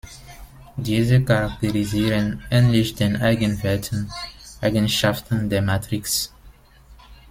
Diese charakterisieren, ähnlich den Eigenwerten, Eigenschaften der Matrix.